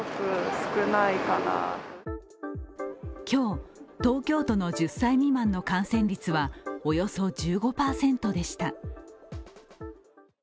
今日、東京都の１０歳未満の感染率はおよそ１５％でした。